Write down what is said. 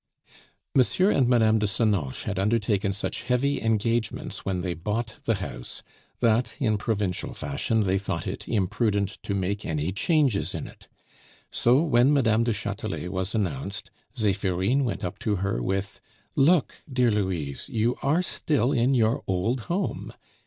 M. and Mme. de Senonches had undertaken such heavy engagements when they bought the house, that, in provincial fashion, they thought it imprudent to make any changes in it. So when Madame du Chatelet was announced, Zephirine went up to her with "Look, dear Louise, you are still in your old home!"